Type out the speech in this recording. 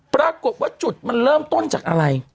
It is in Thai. ปรากฏว่าจุดมันเริ่มต้นจากอะไร